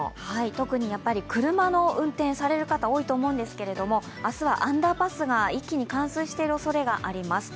特に車の運転をされる方、多いと思うんですけども、明日はアンダーパスが一気に冠水している恐れがあります。